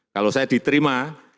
kalau saya diterima